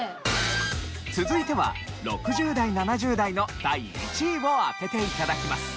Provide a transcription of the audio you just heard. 続いては６０代７０代の第１位を当てて頂きます。